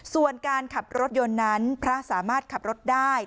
ส่วนการขับรถยนต์นั้นพระสามารถขับรถได้